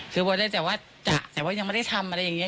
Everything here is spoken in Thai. คือบอยได้แต่ว่าจะแต่ว่ายังไม่ได้ทำอะไรอย่างนี้